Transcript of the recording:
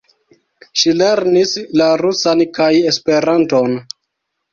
Ŝi lernis la rusan kaj Esperanton.